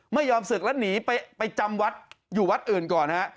ไม่ยอมศึกแล้วหนีไปจำวัดอยู่วัดอื่นก่อนฮะ